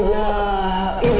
aku akan menghimpani